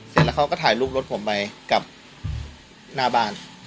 เสร็จแล้วเขาก็ถ่ายรูปรถผมไปกับหน้าบ้าน